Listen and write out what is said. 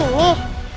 itu apa disini